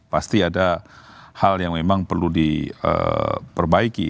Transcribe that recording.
pasti ada hal yang memang perlu diperbaiki